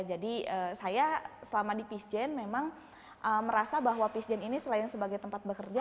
jadi saya selama di peacegen memang merasa bahwa peacegen ini selain sebagai tempat bekerja